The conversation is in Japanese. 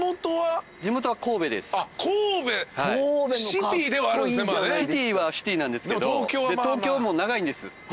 シティーはシティーなんですけどで東京も長いんです。